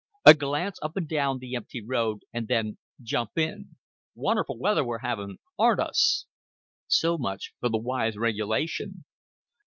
A glance up and down the empty road and then "Jump in. Wunnerful weather we're having, aren't us?" So much for the wise regulation!